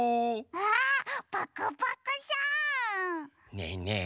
ねえねえ。